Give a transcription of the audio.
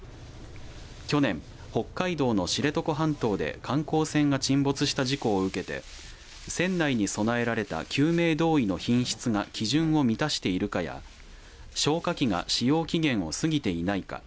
去年、北海道の知床半島で観光船が沈没した事故を受けて船内に備えられた救命胴衣の品質が基準を満たしているかや消火器が使用期限を過ぎていないか